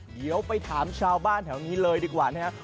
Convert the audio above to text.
เดี๋ยวไปถามชาวบ้านแถวนี้เลยดีกว่านะครับ